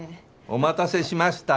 お待たせしました。